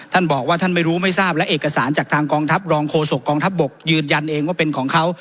ท่านบอกว่าท่านไม่รู้ไม่ทราบและเอกสารจากทางกองทัพรองโฆษกองทัพบกยืนยันเองว่าเป็นของเขา